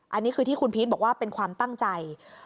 อันนี้คือที่คุณพีชบอกว่าเป็นความตั้งใจ